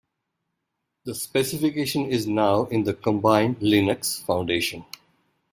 The specification is now in the combined Linux Foundation.